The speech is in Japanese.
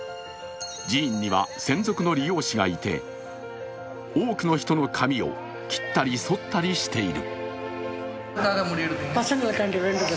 寺院には専属の理容師がいて多くの人の髪を切ったり剃ったりしている。